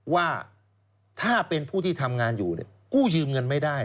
ว่าถ้าเป็นผู้ที่ทำงานอยู่กู้ยืมเงินไม่ได้